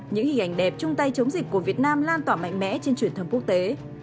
những hình ảnh đẹp chung tay chống dịch của việt nam lan tỏa mạnh mẽ trên truyền thông quốc tế